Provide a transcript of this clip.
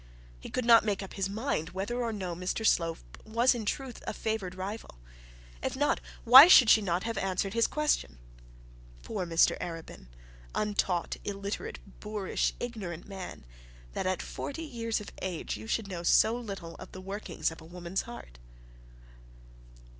He could not make up his mind whether or no Mr Slope was in truth a favoured rival. If not, why should she not have answered his question? Poor Mr Arabin untaught, illiterate, boorish, ignorant man! That at forty years of age you should know so little of the workings of a woman's heart!